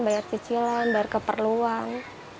bayar cicilan bayar keperluan